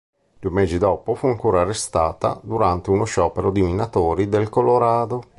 Due mesi dopo fu ancora arrestata durante uno sciopero di minatori del Colorado.